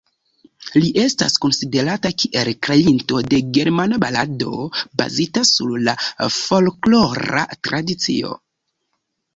Li estas konsiderata kiel kreinto de germana balado, bazita sur la folklora tradicio.